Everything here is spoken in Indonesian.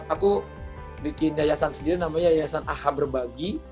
aku bikin yayasan sendiri namanya yayasan aha berbagi